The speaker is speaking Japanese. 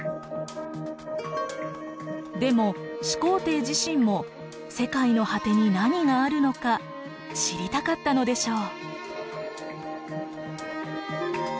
でも始皇帝自身も世界の果てに何があるのか知りたかったのでしょう。